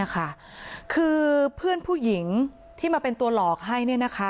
คือเพื่อนผู้หญิงที่มาเป็นตัวหลอกให้